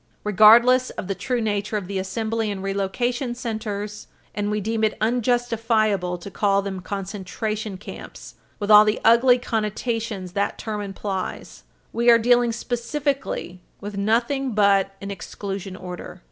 Regardless of the true nature of the assembly and relocation centers and we deem it unjustifiable to call them concentration camps, with all the ugly connotations that term implies we are dealing specifically with nothing but an exclusion order.